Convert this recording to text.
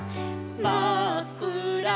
「まっくら